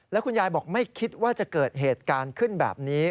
แล้วคุณยายบอกไม่คิดว่าจะเกิดเหตุการณ์ขึ้นแบบนี้